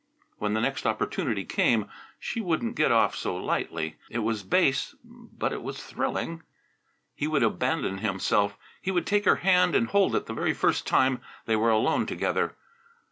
When the next opportunity came she wouldn't get off so lightly, he could tell her that. It was base, but it was thrilling. He would abandon himself. He would take her hand and hold it the very first time they were alone together.